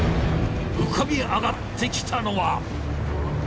浮かび上がってきたのは。